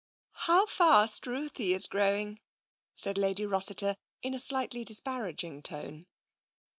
" How fast Ruthie is growing !" said Lady Rossiter, in a slightly disparaging tone.